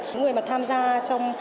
những người mà tham gia trong